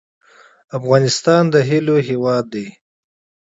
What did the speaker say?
افغانستان د هیلو هیواد دی